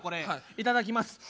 いただきます。